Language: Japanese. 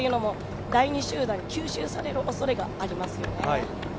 というのも、第２集団に吸収されるおそれがありますよね。